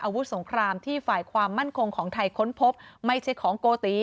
อาวุธสงครามที่ฝ่ายความมั่นคงของไทยค้นพบไม่ใช่ของโกติ